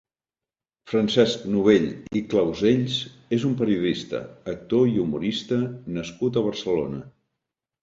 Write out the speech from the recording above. Francesc Novell i Clausells és un periodista, actor i humorista nascut a Barcelona.